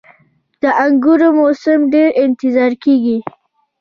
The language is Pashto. • د انګورو موسم ډیر انتظار کیږي.